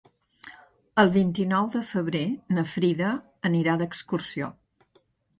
El vint-i-nou de febrer na Frida anirà d'excursió.